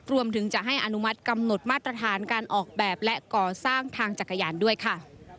รวมถึงจะให้อนุมัติกำหนดมาตรฐานการออกแบบและก่อสร้างทางจักรยานด้วยค่ะ